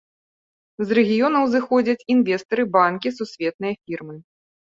З рэгіёнаў зыходзяць інвестары, банкі, сусветныя фірмы.